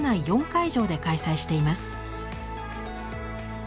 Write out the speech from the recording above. ４会場で開催しています。